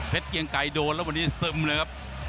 เพชรเตรียมไกรโดนแล้ววันนี้ซึมนะครับ